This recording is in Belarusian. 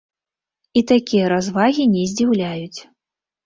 І такія развагі не здзіўляюць.